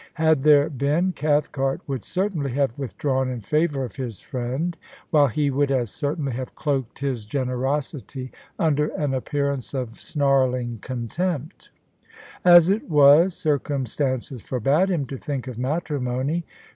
Had there been, Cathcart would certainly have withdrawn in favour of his friend, while he would as certainly have cloaked his generosity under an appearance of snarling contempt As it was, circumstances forbade him to think of matrimony.